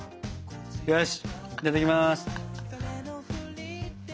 よしいただきます！